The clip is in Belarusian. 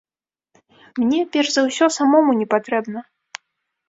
Мне, перш за ўсё, самому не патрэбна.